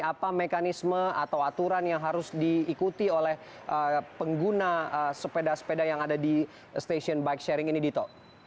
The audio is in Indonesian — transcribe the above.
apa mekanisme atau aturan yang harus diikuti oleh pengguna sepeda sepeda yang ada di stasiun bike sharing ini dito